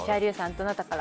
どなたから。